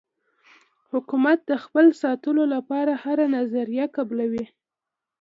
حکومت د خپل ساتلو لپاره هره نظریه قبلوي.